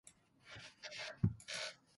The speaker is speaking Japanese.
クリリソ三人前追加で